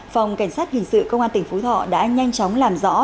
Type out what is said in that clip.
phòng cảnh sát hình sự công an tỉnh phú thọ đã nhanh chóng làm rõ